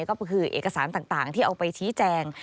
ก็คือเอกสารต่างที่เอาไปชี้แจง